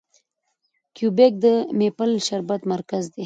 کیوبیک د میپل شربت مرکز دی.